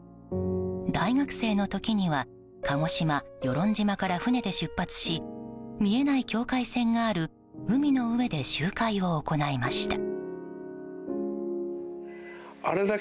大学生の時には鹿児島・与論島から船で出発し見えない境界線がある海の上で集会を行いました。